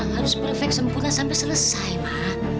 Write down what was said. harus perfect sempurna sampe selesai ma